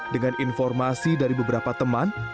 dengan informasi dari beberapa teman